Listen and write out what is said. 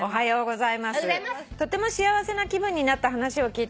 「とても幸せな気分になった話を聞いてください」